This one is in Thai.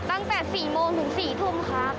ตั้งแต่๔โมงถึง๔ทุ่มครับ